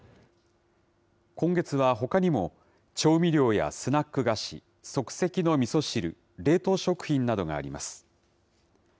今月はほかにも、調味料やスナック菓子、即席のみそ汁、冷凍食品などがあります。